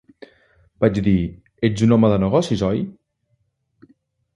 Vaig dir: "Ets un home de negocis, oi?".